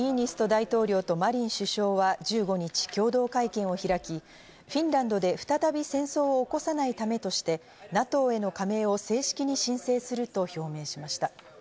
大統領とマリン首相は１５日共同会見を開き、フィンランドで再び戦争を起こさないためとしてＮＡＴＯへの加盟を正式に申請すると表明しました。